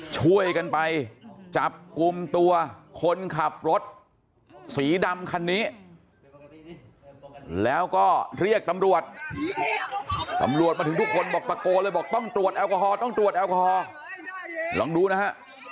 ช่วยกันไปจับกลุ่มตัวคนขับรถสีดำคันนี้แล้วก็เรียกตำรวจตำรวจมาถึงทุกคนบอกตะโกนเลยบอกต้องตรวจแอลกอฮอลต้องตรวจแอลกอฮอล์ลองดูนะฮะ